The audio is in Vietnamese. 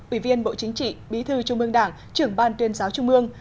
ủy viên bộ chính trị bí thư trung mương đảng trưởng ban tuyên giáo trung mương